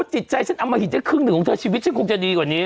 จิตใจฉันอมหิตได้ครึ่งหนึ่งของเธอชีวิตฉันคงจะดีกว่านี้